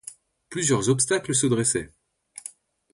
Plusieurs obstacles se dressaient.